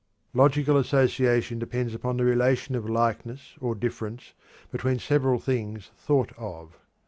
Logical association depends upon the relation of likeness or difference between several things thought of.